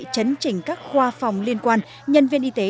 chấn chỉnh các khoa phòng liên quan nhân viên y tế